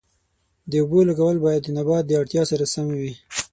د اوبو لګول باید د نبات د اړتیا سره سم وي.